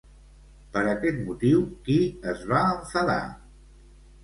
Per aquest motiu, qui es va enfadar?